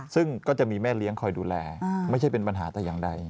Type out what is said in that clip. ซึ่งก็จะมีแม่เลี้ยงคอยดูแลไม่ใช่เป็นปัญหาแต่อย่างใด